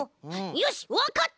よしわかった！